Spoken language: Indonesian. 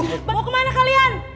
mau kemana kalian